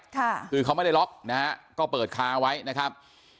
คือเขาไม่ได้ล็อกนะฮะก็เปิดคาไว้นะครับ